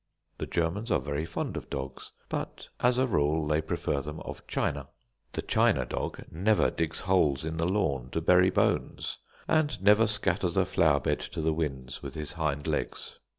The Germans are very fond of dogs, but as a rule they prefer them of china. The china dog never digs holes in the lawn to bury bones, and never scatters a flower bed to the winds with his hind legs.